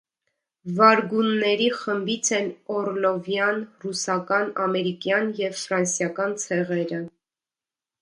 Վարգունների խմբից են օռլովյան, ռուսական, ամերիկյան և ֆրանսիական ցեղերը։